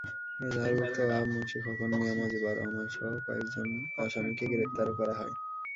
এজাহারভুক্ত ওয়াহাব মুন্সী, খোকন মিয়া, মজিবর রহমানসহ কয়েকজন আসামিকে গ্রেপ্তারও করা হয়।